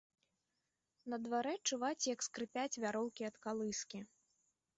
На дварэ чуваць, як скрыпяць вяроўкі ад калыскі.